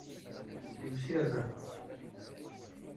Yiwsir baba.